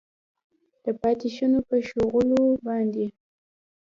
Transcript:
د پاتې شونو په ښخولو باندې